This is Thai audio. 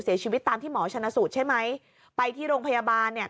เสียชีวิตตามที่หมอชนะสูตรใช่ไหมไปที่โรงพยาบาลเนี่ย